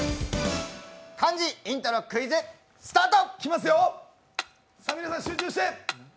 漢字イントロクイズ、スタート！